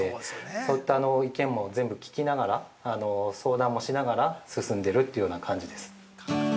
そういった意見も全部聞きながら、相談もしながら進んでるというような感じです。